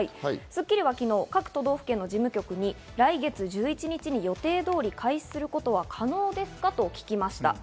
『スッキリ』は昨日、各都道府県の事務局に来月１１日に予定通り開始することは可能ですか？と聞きました。